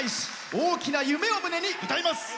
大きな夢を胸に歌います。